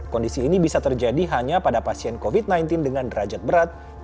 kondisi ini bisa terjadi hanya pada pasien covid sembilan belas dengan derajat berat